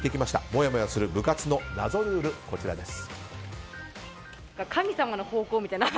もやもやする部活の謎ルールです。